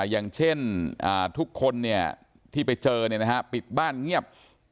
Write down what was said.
อย่างเช่นทุกคนที่ไปเจอปิดบ้านเงียบ